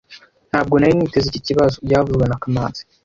Ntabwo nari niteze iki kibazo byavuzwe na kamanzi